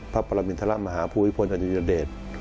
พระประมินทะละมหาภูวิพลอันยุณเดชน์